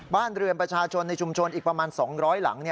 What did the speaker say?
บ้านเรือนประชาชนในชุมชนอีกประมาณ๒๐๐หลัง